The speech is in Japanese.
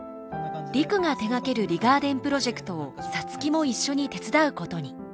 陸が手がけるリガーデンプロジェクトを皐月も一緒に手伝うことに。